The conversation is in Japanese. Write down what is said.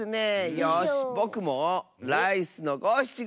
よしぼくもライスのごしちご！